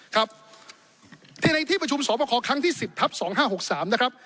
ครับที่ในที่ประชุมสอบคอครั้งที่๑๐ทับ๒๕๖๓นะครับ